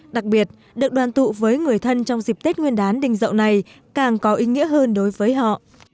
đặc biệt được đoàn tụ với người thân trong dịp tết nguyên đán đình dậu này càng có ý nghĩa hơn đối với họ